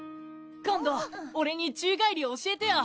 今度オレに宙返り教えてよ！